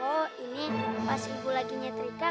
oh ini pas ibu lagi nyetrika